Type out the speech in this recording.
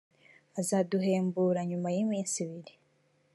azaduhembura nyuma y iminsi ibiri